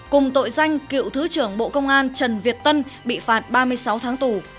cùng tội danh cựu thứ trưởng bộ công an trần việt tân bị phạt ba mươi sáu tháng tù